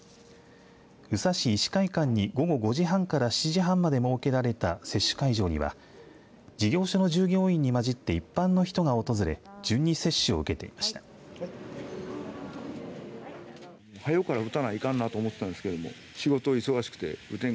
宇佐市医師会館に午後５時半から７時半まで設けられた接種会場には事業所の従業員にまじって一般の人が訪れ順に接種を受けていました。